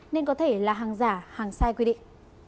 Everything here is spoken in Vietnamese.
nên có thể là hàng giả hàng sai quy định